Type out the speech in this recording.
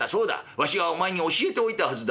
わしはお前に教えておいたはずだ。